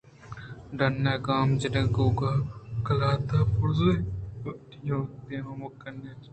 ڈنے ءِ گام جنگ ءَ گوں قلات ءِ بُرزیں ماڑی آئی ءِ دیم ءَ مِکّ اَت